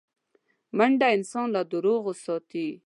منډه انسان له دروغو ساتي